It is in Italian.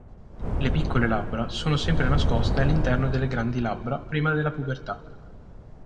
Le piccole labbra sono sempre nascoste all'interno delle grandi labbra prima della pubertà.